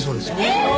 えっ！